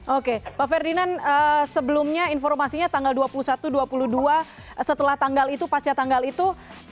oke pak ferdinand sebelumnya informasinya tanggal dua puluh satu dua puluh dua setelah tanggal itu pasca tanggal itu